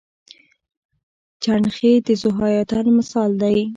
چنډخې د ذوحیاتین مثال دی